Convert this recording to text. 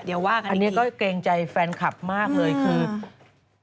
เดี๋ยวว่ากันอันนี้ก็เกรงใจแฟนคลับมากเลยคือ